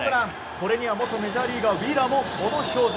これには元メジャーリーガーウィーラーも、この表情。